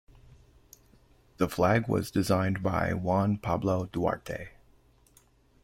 The flag was designed by Juan Pablo Duarte.